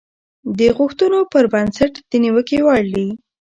د غوښتنو پر بنسټ د نيوکې وړ دي.